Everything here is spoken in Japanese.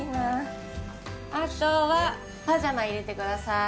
あとはパジャマ入れてください。